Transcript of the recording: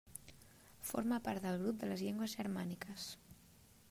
Forma part del grup de les llengües germàniques.